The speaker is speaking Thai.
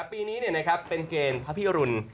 ปีนี้เป็นเกณฑ์พระพิรุณ